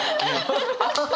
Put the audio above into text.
ハハハハ。